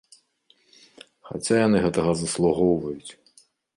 Хаця яны гэтага заслугоўваюць!